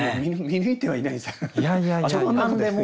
見抜いてはいないです。